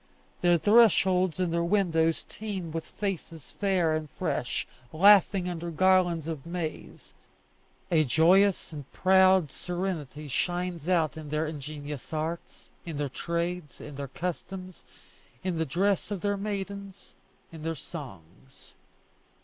Their thresholds and their windows teem with faces fair and fresh, laughing under garlands of maize; a joyous and proud serenity shines out in their ingenious arts, in their trades, in their customs, in the dress of their maidens, in their songs.